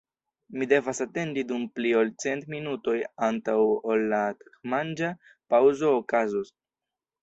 Mi devas atendi dum pli ol cent minutoj antaŭ ol la tagmanĝa paŭzo okazos.